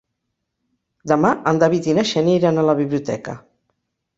Demà en David i na Xènia iran a la biblioteca.